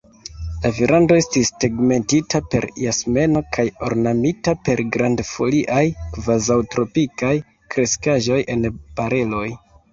La verando estis tegmentita per jasmeno kaj ornamita per grandfoliaj, kvazaŭtropikaj kreskaĵoj en bareloj.